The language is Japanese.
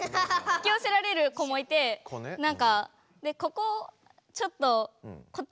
引きよせられる子もいてなんかここちょっとこっち